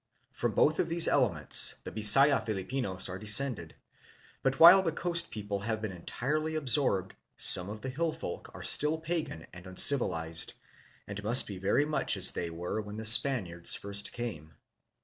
From both of these elements the Bisaya Filipinos are descended, but while the coast people have been entirely absorbed, some of the hill folk are still pagan and uncivilized, and must be very much as they were when the Spaniards first came.